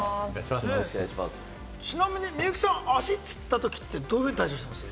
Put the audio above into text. ちなみにみゆきさん、足つったときってどういう対処してます？